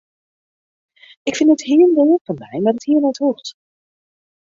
Ik fyn it hiel leaf fan dy, mar it hie net hoegd.